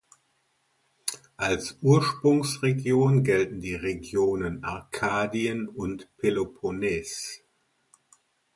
Als Ursprungsregion gelten die Regionen Arkadien und Peloponnes.